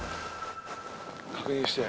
確認して。